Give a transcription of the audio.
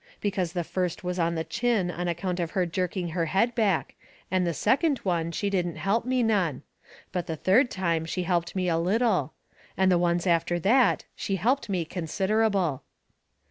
Because the first was on the chin on account of her jerking her head back. And the second one she didn't help me none. But the third time she helped me a little. And the ones after that she helped me considerable.